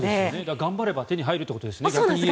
頑張れば手に入るということですね。